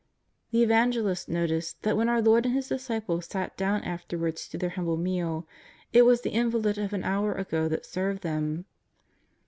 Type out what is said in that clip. The Evangelists notice that when our Lord and His disciples sat down afterwards to their humble meal, it was the invalid of an hour ago that served them.